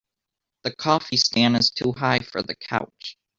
The coffee stand is too high for the couch.